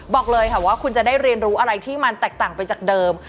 บอกเลยค่ะว่าคุณจะได้เรียนรู้อะไรที่มันแตกต่างไปจากเดิม